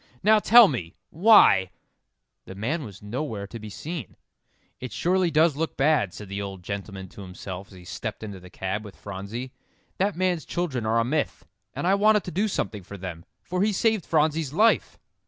"Now tell me why " The man was nowhere to be seen. "It surely does look bad," said the old gentleman to himself as he stepped into the cab with Phronsie; "that man's children are a myth. And I wanted to do something for them, for he saved Phronsie's life!"